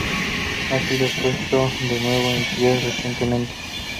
Ha sido puesto de nuevo en pie recientemente.